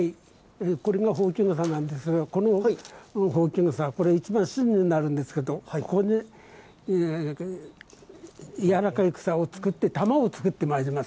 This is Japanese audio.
これがほうきの穂なんですが、このほうき草、これ、一番芯になるんですけど、ここでやわかい草を作って、玉を作ってまいります。